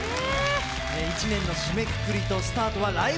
一年の締めくくりとスタートは「ライブ！